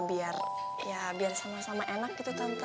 biar ya biar sama sama enak gitu